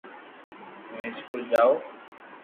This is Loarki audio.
ھون اسڪول جاو